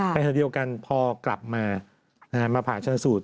ไปเหมือนเดียวกันพอกลับมาผ่าชนะสูตร